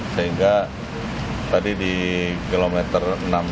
sehingga tadi di kilometer enam puluh